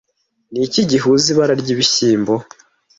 Niki gihuza ibara ryibishyimbo